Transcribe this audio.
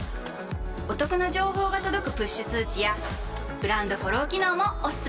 お得な情報が届くプッシュ通知やブランドフォロー機能もおすすめ！